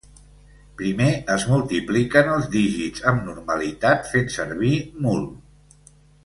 Primer es multipliquen els dígits amb normalitat fent servir mul.